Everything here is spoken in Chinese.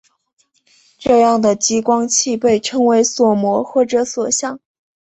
这样的激光器被称为锁模或者锁相。